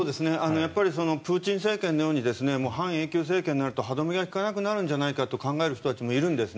やっぱりプーチン政権のように半永久政権になると歯止めが利かなくなるんじゃないかと考える人たちもいるんです。